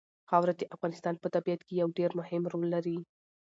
خاوره د افغانستان په طبیعت کې یو ډېر مهم رول لري.